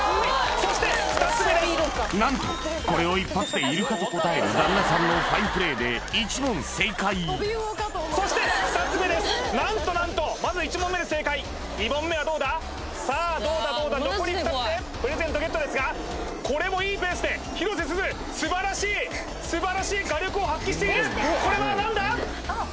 そして２つ目です何とこれを一発でイルカと答える旦那さんのファインプレーで１問正解何と何とさあどうだどうだ残り２つでプレゼントＧＥＴですがこれもいいペースで広瀬すず素晴らしい素晴らしい画力を発揮しているこれは何だ？